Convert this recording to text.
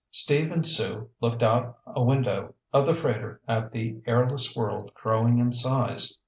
Steve and Sue looked out a window of the freighter at the airless world growing in size.